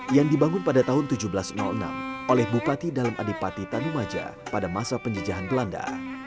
yang dibangun pada tahun seribu tujuh ratus enam oleh bupati dalem adipati tanumaja pada masa penjejahan belanda